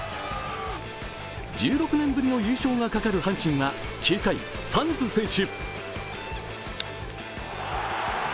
１６年ぶりの優勝がかかる阪神は９回、サンズ選手。